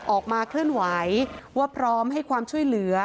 ออกมาเคลื่อนไหวว่าพร้อมให้ความช่วยเหลือ